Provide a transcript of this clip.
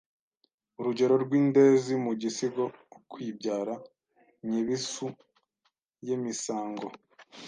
Urugero rw’indezi mu gisigo “Ukwibyara”: Ny’ebisu y’emisango